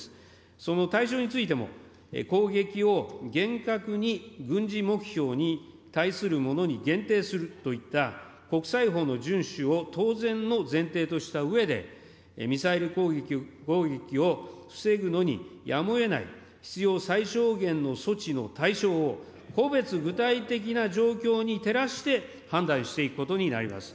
その対象についても、攻撃を厳格に軍事目標に対するものに限定するといった国際法の順守を当然の前提としたうえで、ミサイル攻撃を防ぐのにやむをえない必要最小限の措置の対象を、個別具体的な状況に照らして判断していくことになります。